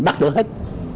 bắt được hết